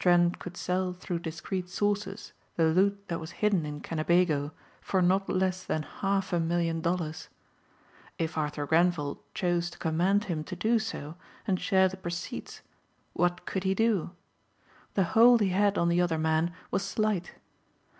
Trent could sell through discreet sources the loot that was hidden in Kennebago for not less than half a million dollars. If Arthur Grenvil chose to command him to do so and share the proceeds what could he do? The hold he had on the other man was slight.